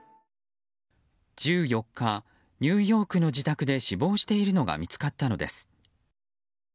１４日、ニューヨークの自宅で死亡しているのが見つかったのです。